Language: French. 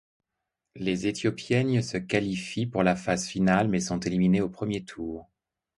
Les Éthiopiennes se qualifient pour la phase finale mais sont éliminées au premier tour.